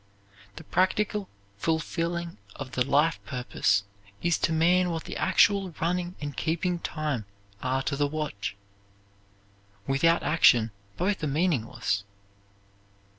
The practical fulfilling of the life purpose is to man what the actual running and keeping time are to the watch. Without action both are meaningless.